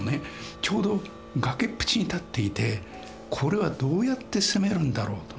ちょうど崖っぷちに建っていてこれはどうやって攻めるんだろうと。